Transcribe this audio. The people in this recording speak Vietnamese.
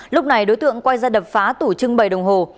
lúc này đối tượng quay ra đập phá tủ chưng bầy đồng hồ